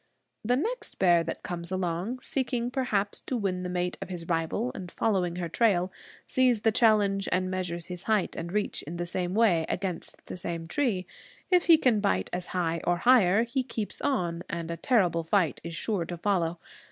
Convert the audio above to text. The next bear that comes along, seeking perhaps to win the mate of his rival and following her trail, sees the challenge and measures his height and reach in the same way, against the same tree. If he can bite as high, or higher, he keeps on, and a terrible fight is sure to follow.